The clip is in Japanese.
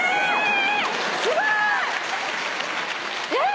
すごい！えっ！？